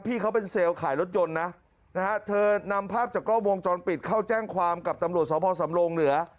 พี่เขาเป็นเซลล์ขายรถยนต์นะนะฮะเธอนำภาพจากกล้องวงจรปิดเข้าแจ้งความกับตำรวจสพสำรงเหนือ